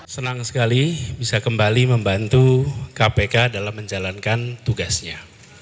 senang sekali bisa kembali membantu kpk dalam menjalankan tugasnya